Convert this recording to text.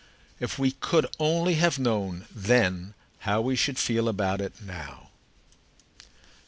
If we could only have known then how we should feel about it now!"